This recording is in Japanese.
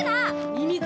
ミミズ